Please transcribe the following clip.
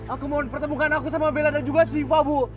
aku mohon pertemukan aku sama bella dan juga siva bu